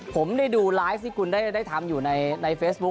ผมเรียนดูไลข์นี่คุณได้ทำอยู่ในเฟซบุ๊ก